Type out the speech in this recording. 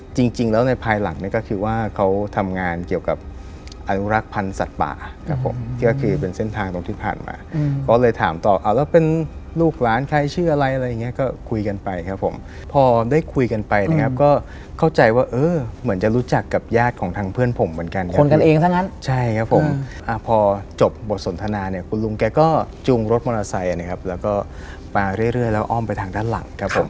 จริงแล้วในภายหลังเนี่ยก็คิดว่าเขาทำงานเกี่ยวกับอนุรักษ์พันธุ์สัตว์ป่าครับผมก็คือเป็นเส้นทางตรงที่ผ่านมาก็เลยถามตอบเอาแล้วเป็นลูกหลานใครชื่ออะไรอะไรอย่างเงี้ยก็คุยกันไปครับผมพอได้คุยกันไปนะครับก็เข้าใจว่าเออเหมือนจะรู้จักกับญาติของทางเพื่อนผมเหมือนกันคนกันเองทั้งนั้นใช่ครับผมพอจบบ